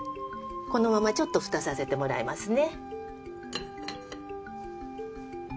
このままちょっと蓋させてもらいますね。